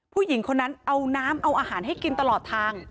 ผู้หญิงคนนั้นเอาน้ำเอาอาหารให้กินตลอดทาง